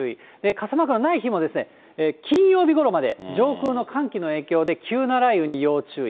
傘マークのない日も、金曜日ごろまで上空の寒気の影響で、急な雷雨に要注意。